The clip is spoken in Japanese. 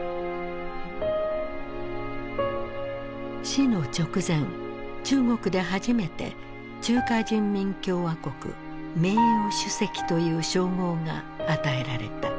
死の直前中国で初めて「中華人民共和国名誉主席」という称号が与えられた。